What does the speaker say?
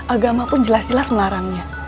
agama pun jelas jelas melarangnya